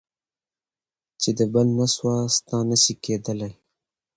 چي د بل نه سوه. ستا نه سي کېدلی.